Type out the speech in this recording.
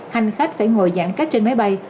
hành khách phải ngồi giãn cách trên máy bay